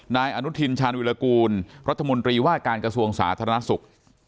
นายอนุทินธ์ชานวิรากุลรัตนมรีวการสวงสาธารณสุข